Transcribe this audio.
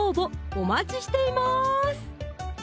お待ちしています